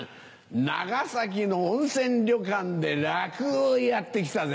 長崎の温泉旅館で落語をやって来たぜ。